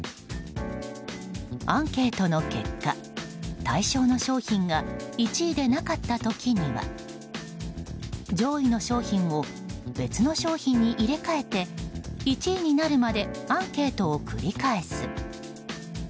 アンケートの結果、対象の商品が１位でなかった時には上位の商品を別の商品に入れ替えて１位になるまでアンケートを繰り返す。